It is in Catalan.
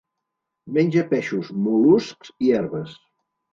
Menja peixos, mol·luscs i herbes.